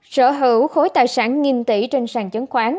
sở hữu khối tài sản nghìn tỷ trên sàn chứng khoán